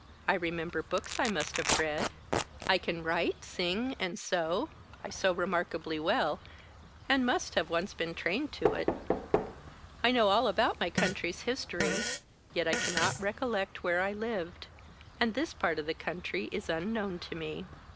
I remembered books I must have read; I can write, sing and sew I sew remarkably well, and must have once been trained to it. I know all about my country's history, yet I cannot recollect where I lived, and this part of the country is unknown to me.